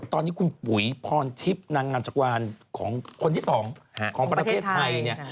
ตอนนี้คุณปุ๋ยพรทิพย์นางงามจักรวาลของคนที่๒ของประเทศไทยเนี่ย